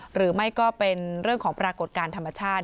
หรือไม่ก็เป็นเรื่องของปรากฏการณ์ธรรมชาติ